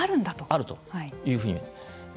あるというふうに。